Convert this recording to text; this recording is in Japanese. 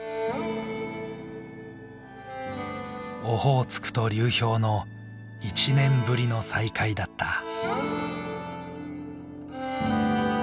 オホーツクと流氷の１年ぶりの再会だった。